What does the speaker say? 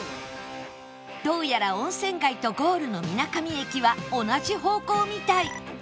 どうやら温泉街とゴールの水上駅は同じ方向みたい